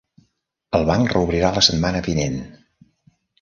El banc reobrirà la setmana vinent.